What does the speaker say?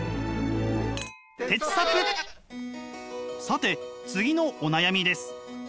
さて次のお悩みです。